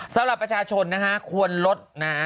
สำหรับประชาชนควรลด